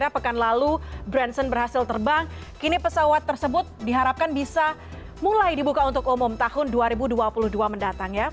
pekan lalu branson berhasil terbang kini pesawat tersebut diharapkan bisa mulai dibuka untuk umum tahun dua ribu dua puluh dua mendatang ya